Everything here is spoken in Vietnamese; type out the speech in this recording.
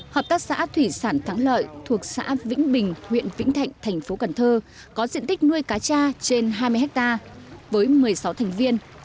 hợp tác xã thủy sản thắng lợi thuộc xã vĩnh bình huyện vĩnh thạnh thành phố cần thơ có diện tích nuôi cá cha trên hai mươi hectare với một mươi sáu thành viên